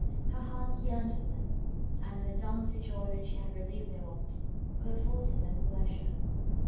Her heart yearned for them, and would dance with joy when she had relieved their wants, or afforded them pleasure.